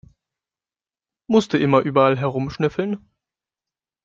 Musst du immer überall herumschnüffeln?